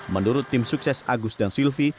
menurut tim sukses agus dan silvi